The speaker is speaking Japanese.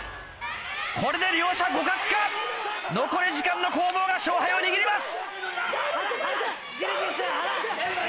これで両者互角か⁉残り時間の攻防が勝敗を握ります。